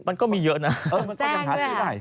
มันก็มีเยอะน่ะ